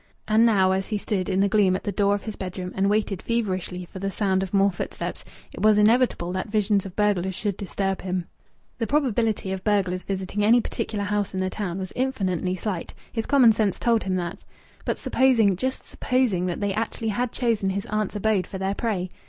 And now, as he stood in the gloom at the door of his bedroom and waited feverishly for the sound of more footsteps, it was inevitable that visions of burglars should disturb him. The probability of burglars visiting any particular house in the town was infinitely slight his common sense told him that. But supposing just supposing that they actually had chosen his aunt's abode for their prey!...